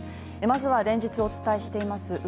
まずは連日お伝えしています